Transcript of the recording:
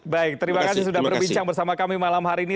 baik terima kasih sudah berbincang bersama kami malam hari ini